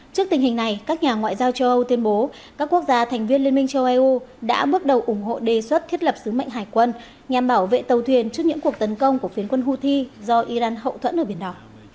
trước tình hình này các nhà ngoại giao châu âu tuyên bố các quốc gia thành viên liên minh châu âu đã bước đầu ủng hộ đề xuất thiết lập sứ mệnh hải quân nhằm bảo vệ tàu thuyền trước những cuộc tấn công của phiến quân houthi do iran hậu thuẫn ở biển đỏ